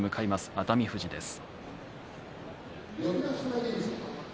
熱海富士です。